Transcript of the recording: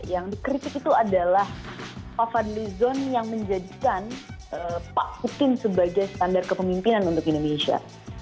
yang dikritik itu adalah pak fadli zon yang menjadikan pak putin sebagai standar kepemimpinan untuk indonesia